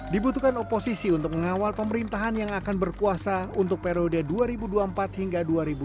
dibutuhkan oposisi untuk mengawal pemerintahan yang akan berkuasa untuk periode dua ribu dua puluh empat hingga dua ribu dua puluh sembilan